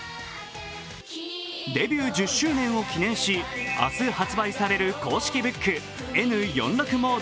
デビュー１０周年を記念し、明日発売される公式ＢＯＯＫ